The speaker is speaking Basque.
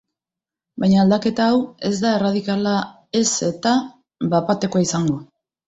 Baina aldaketa hau ez da erradikala ez eta bat-batekoa izango.